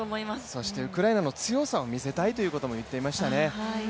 そしてウクライナの強さを見せたいということも言っていましたね。